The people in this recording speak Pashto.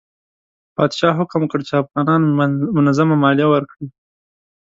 پادشاه حکم وکړ چې افغانان منظمه مالیه ورکړي.